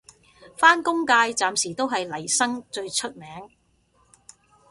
返工界暫時都係嚟生最出名